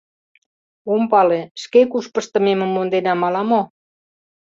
Ом пале, шке куш пыштымемым монденам, ала мо...